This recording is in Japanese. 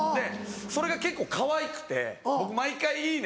それが結構かわいくて僕毎回「いいね！」